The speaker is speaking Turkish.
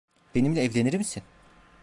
Benimle evlenir misin?